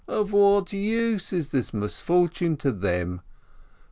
Of what use is this misfortune to them?